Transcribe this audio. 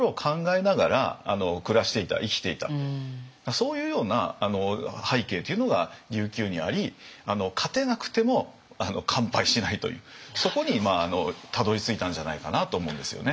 そういうような背景というのが琉球にあり勝てなくても完敗しないというそこにたどりついたんじゃないかなと思うんですよね。